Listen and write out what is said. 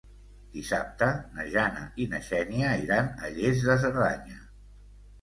Dissabte na Jana i na Xènia iran a Lles de Cerdanya.